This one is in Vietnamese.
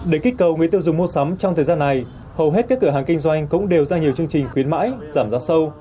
để kích cầu người tiêu dùng mua sắm trong thời gian này hầu hết các cửa hàng kinh doanh cũng đều ra nhiều chương trình khuyến mãi giảm giá sâu